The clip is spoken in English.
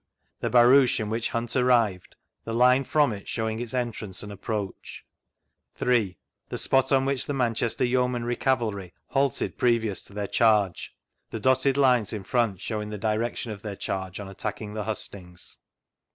2. The Barouche in which Hunt arrived, the line from it showing its entrance and approach. 3. The spot on which the Manchester Yeomanry Cavalry halted previous to their chat^; the dotted lines in front showing the (Erection of their chvge on attacking the hustings.